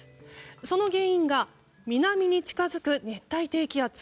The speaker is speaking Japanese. その原因が南に近づく熱帯低気圧。